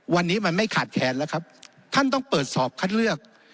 วันนี้มันไม่ขาดแขนแล้วครับท่านต้องเปิดสอบคัดเลือก